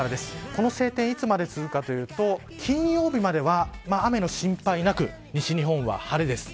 この晴天いつまで続くかというと金曜日までは雨の心配なく西日本は晴れです。